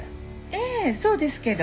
ええそうですけど。